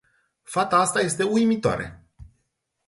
Fata asta este uimitoare.